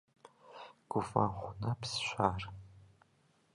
Гуфӏэгъу нэпсщ ар.